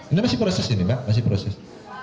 ini masih proses ini mbak masih proses